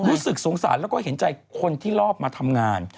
รู้สึกสงสารแล้วก็เห็นใจคนที่รอบมาทำงาน